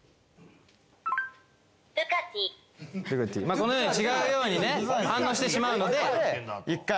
このように違うように反応してしまうので。